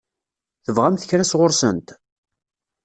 Tebɣamt kra sɣur-sent?